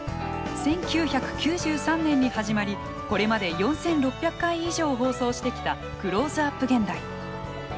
１９９３年に始まりこれまで４，６００回以上放送してきた「クローズアップ現代」。